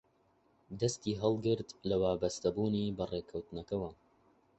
دەستی هەڵگرت لە وابەستەبوونی بە ڕێککەوتنەکەوە